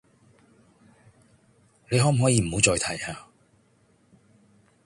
你可唔可以唔好再提呀